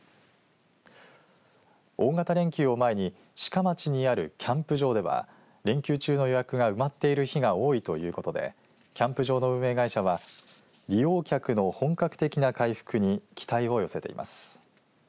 大型連休を前に志賀町にあるキャンプ場では連休中の予約が埋まっている日が多いということでキャンプ場の運営会社は利用客の本格的な回復に期待を寄せています。